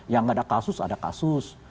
yang gak ada kasus ada kasus